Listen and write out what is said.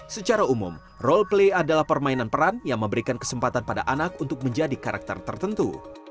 secara umum role play adalah permainan peran yang memberikan kesempatan pada anak untuk menjadi karakter tertentu